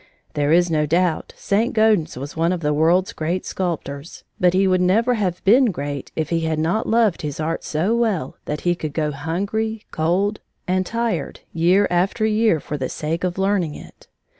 There is no doubt St. Gaudens was one of the world's great sculptors, but he would never have been great if he had not loved his art so well that he could go hungry, cold, and tired year after year for the sake of learning it.